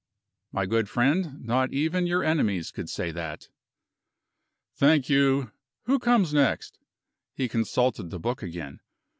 "My good friend, not even your enemies could say that!" "Thank you. Who comes next?" He consulted the book again.